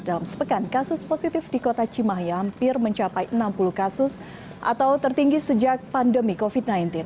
dalam sepekan kasus positif di kota cimahi hampir mencapai enam puluh kasus atau tertinggi sejak pandemi covid sembilan belas